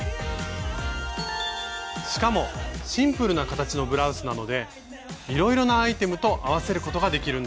しかもシンプルな形のブラウスなのでいろいろなアイテムと合わせることができるんです。